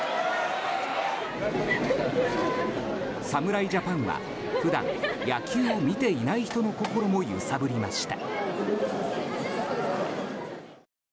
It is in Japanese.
侍ジャパンは普段、野球を見ていない人の心も揺さぶりました。